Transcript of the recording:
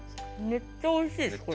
めっちゃおいしい。